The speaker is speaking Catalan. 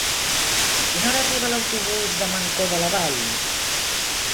A quina hora arriba l'autobús de Mancor de la Vall?